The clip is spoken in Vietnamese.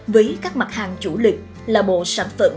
với các mặt hàng chủ lực là bộ sản phẩm